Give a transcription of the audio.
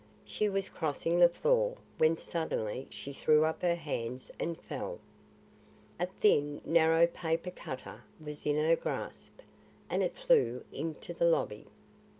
She was crossing the floor when suddenly she threw up her hands and fell. A thin, narrow paper cutter was in her grasp; and it flew into the lobby.